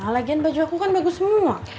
lagian baju aku kan bagus semua